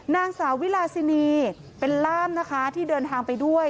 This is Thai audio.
นางสาววิลาซินีเป็นล่ามนะคะที่เดินทางไปด้วย